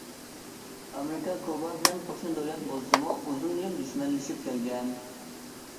ئامېرىكا كۇبا بىلەن قوشنا دۆلەت بولسىمۇ، ئۇزۇن يىل دۈشمەنلىشىپ كەلگەن.